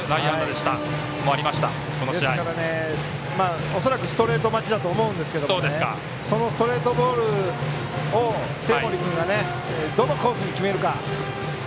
ですから、恐らくストレート待ちだと思いますがそのストレートボールを生盛君がどのコースに決めるか。